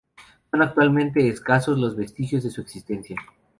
Son actualmente escasos los vestigios de su existencia.